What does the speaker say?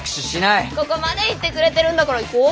ここまで言ってくれてるんだから行こう。